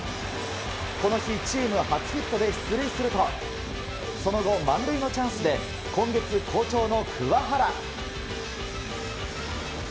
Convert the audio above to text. この日チーム初ヒットで出塁するとその後、満塁のチャンスで今月好調の桑原。